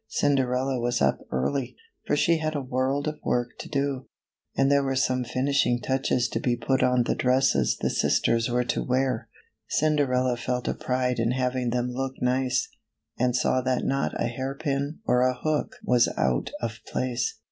Cinderella was up early, for she had a world of work to do, and there were some finishing touches to be put on the dresses the sisters were to wear. Cinderella felt a pride in having them look nice, and saw that not a hair pin or a hook was out of place.